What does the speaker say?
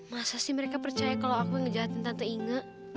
masa sih mereka percaya kalau aku ngejahatin tante inge